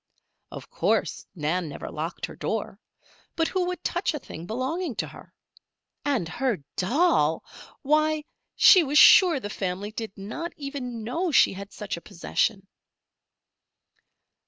Of course Nan never locked her door. But who would touch a thing belonging to her? And her doll! Why, she was sure the family did not even know she had such a possession.